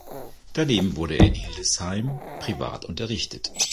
Daneben wurde er in Hildesheim privat unterrichtet.